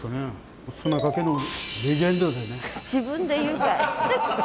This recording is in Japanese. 自分で言うかい！